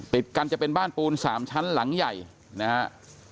ติดกันจะเป็นบ้านปูน๓ชั้นหลังใหญ่นะฮะ